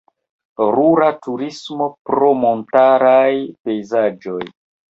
Rura turismo pro montaraj pejzaĝoj.